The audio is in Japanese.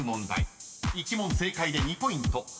［１問正解で２ポイント。